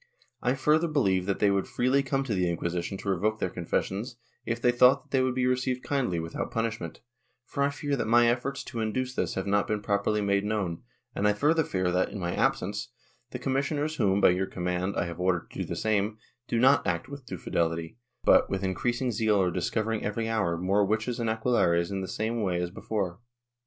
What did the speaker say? I further believe that they would freely come to the Inquisition to revoke their confessions, if they thought that they would be received kindly without punishment, for I fear that my efforts to induce this have not been properly made known, and I further fear that, in my absence, the commissioners whom, by your command, I have ordered to do the same, do not act with due fidelity, but, with increasing zeal are discovering every hour more witches and aquelarres, in the same way as before.